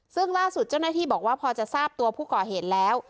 ซึ่งล่าสุดเจ้าหน้าที่บอกว่าพอจะทราบตัวผู้ก่อเหตุแล้ว